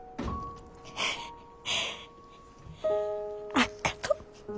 あっがとう